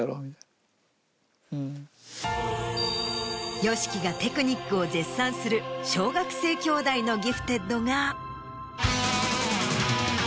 ＹＯＳＨＩＫＩ がテクニックを絶賛する小学生兄妹のギフテッドが。